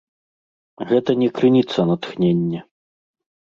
Гэта не крыніца натхнення.